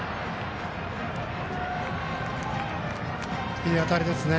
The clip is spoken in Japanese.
いい当たりですね。